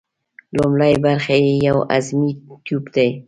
لومړۍ برخه یې یو هضمي تیوپ دی.